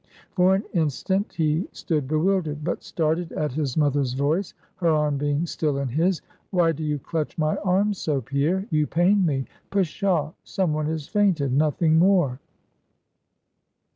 For an instant, he stood bewildered; but started at his mother's voice; her arm being still in his. "Why do you clutch my arm so, Pierre? You pain me. Pshaw! some one has fainted, nothing more."